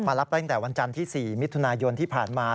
รับตั้งแต่วันจันทร์ที่๔มิถุนายนที่ผ่านมา